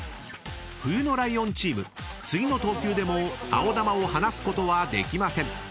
［冬のライオンチーム次の投球でも青球を離すことはできません］